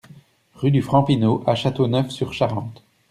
Rue du Franc Pineau à Châteauneuf-sur-Charente